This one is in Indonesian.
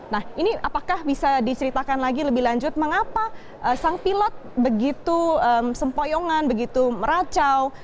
nah ini apakah bisa diceritakan lagi lebih lanjut mengapa sang pilot begitu sempoyongan begitu meracau